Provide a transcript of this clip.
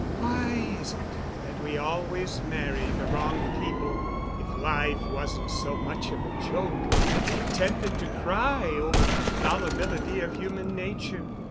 "Why is it that we always marry the wrong people? If life wasn't so much of a joke, I'd be tempted to cry over the fallibility of human nature.